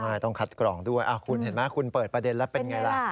ใช่ต้องคัดกรองด้วยคุณเห็นไหมคุณเปิดประเด็นแล้วเป็นไงล่ะ